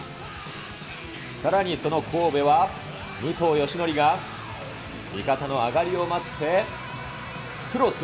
さらにその神戸は、武藤よしのりが味方の上がりを待って、クロス。